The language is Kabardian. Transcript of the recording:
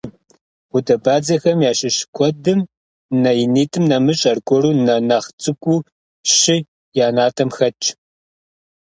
Гъудэбадзэхэм ящыщ куэдым, нэ инитӏым нэмыщӏ, аргуэру нэ нэхъ цӏыкӏуу щы я натӏэм хэтщ.